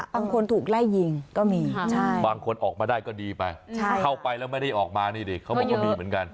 ถูกไล่ยิงก็มีบางคนออกมาได้ก็ดีไปเข้าไปแล้วไม่ได้ออกมานี่ดิเขาบอกว่ามีเหมือนกัน